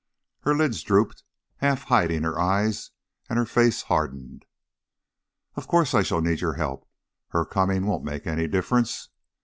Her lids drooped, half hiding her eyes, and her face hardened. "Of course I shall need your help. Her coming won't make any difference."